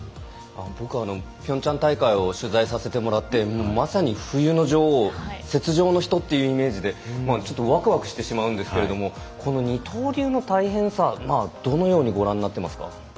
僕はピョンチャン大会を取材させてもらってまさに冬の女王雪上の人というイメージでワクワクしてしまうんですがこの二刀流の大変さどのようにご覧になっていますか？